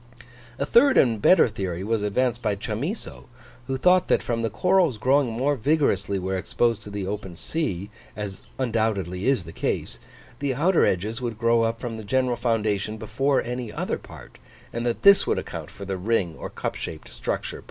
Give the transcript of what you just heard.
A third and better theory was advanced by Chamisso, who thought that from the corals growing more vigorously where exposed to the open sea, as undoubtedly is the case, the outer edges would grow up from the general foundation before any other part, and that this would account for the ring or cup shaped structure.